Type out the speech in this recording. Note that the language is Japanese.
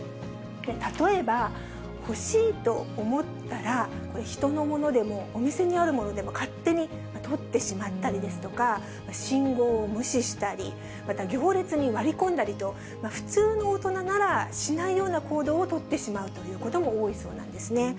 例えば、欲しいと思ったらこれ、人のものでも、お店にあるものでも、勝手にとってしまったりですとか、信号を無視したり、また、行列に割り込んだりと、普通のおとなならしないような行動を取ってしまうということも多いそうなんですね。